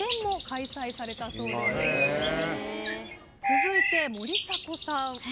続いて森迫さん。